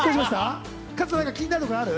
加藤さん、気になるところある？